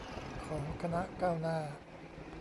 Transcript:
ของคณะก้าวหน้า